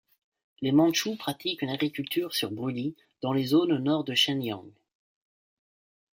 Les Mandchous pratiquent une agriculture sur brûlis dans les zones au nord de Shenyang.